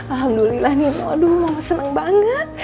alhamdulillah nih aduh mama senang banget